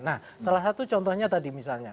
nah salah satu contohnya tadi misalnya